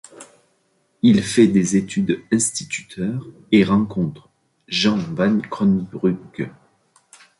Il fait des études instituteurs et rencontre Jean Van Crombrugge.